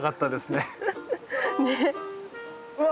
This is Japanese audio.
うわ！